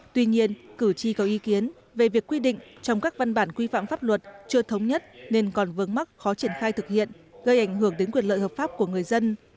tuy nhiên cử tri có ý kiến về việc quy định trong các văn bản quy phạm pháp luật chưa thống nhất nên còn vương mắc khó triển khai thực hiện gây ảnh hưởng đến quyền lợi hợp pháp của người dân